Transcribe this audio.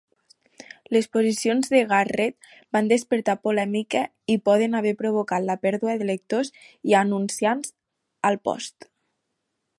Les posicions de Garrett van despertar polèmica i poden haver provocat la pèrdua de lectors i anunciants al "Post".